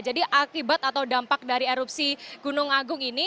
jadi akibat atau dampak dari erupsi gunung agung ini